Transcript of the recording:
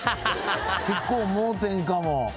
結構盲点かも。